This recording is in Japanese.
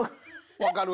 分かる。